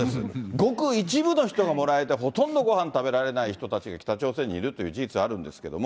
ごく一部の人がもらえて、ほとんどごはん食べられない人たちが北朝鮮にいるっていう事実があるんですけれども。